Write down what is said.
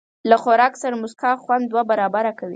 له خوراک سره موسکا، خوند دوه برابره کوي.